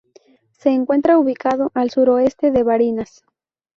Se encuentra ubicado al suroeste de Barinas.